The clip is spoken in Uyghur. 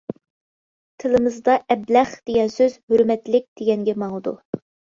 تىلىمىزدا «ئەبلەخ» دېگەن سۆز «ھۆرمەتلىك» دېگەنگە ماڭىدۇ.